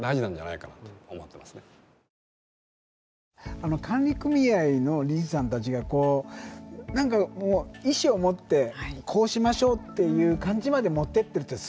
あの管理組合の理事さんたちがこう何か意志を持ってこうしましょうっていう感じまで持ってってるってすごいですよね。